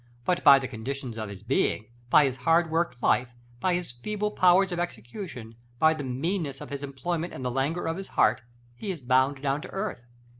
But by the conditions of his being, by his hard worked life, by his feeble powers of execution, by the meanness of his employment and the languor of his heart, he is bound down to earth.